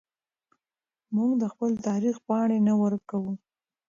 موږ د خپل تاریخ پاڼې نه ورکوو.